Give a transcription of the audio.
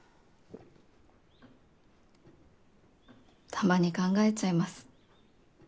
たまに考えちゃいます。